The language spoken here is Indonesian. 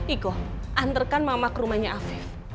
iko antarkan mama ke rumahnya afif